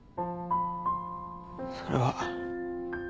それは。